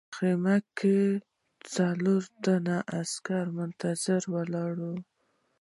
په خیمه کې څلور تنه عسکر منتظر ولاړ وو